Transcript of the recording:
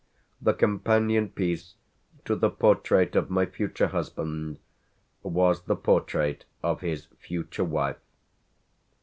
The companion piece to the portrait of my future husband was the portrait of his future wife.